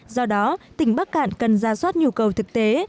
do đó tỉnh bắc cạn cần ra soát nhu cầu thực tế